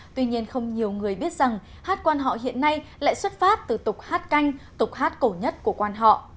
tuy nhiên không nhiều người biết rằng hát quan họ hiện nay lại xuất phát từ tục hát canh tục hát cổ nhất của quan họ